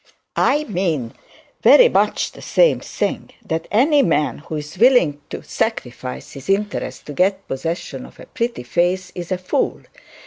'I mean very much the same thing, that any man who is willing to sacrifice his interest to get possession of a pretty face is a fool.